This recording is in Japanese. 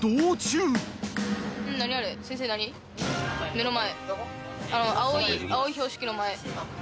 目の前。